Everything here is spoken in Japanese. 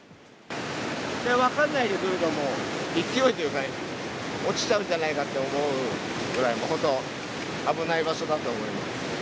分かんないで来ると、もう勢いで落ちちゃうんじゃないかって思うぐらい、もう本当、危ない場所だと思います。